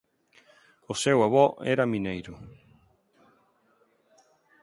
O seu avó era mineiro.